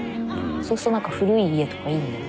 そうすると何か古い家とかいいんだろうね。